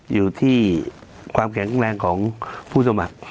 อยู่ที่ความแข็งแรงของผู้สมัคร